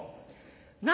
何？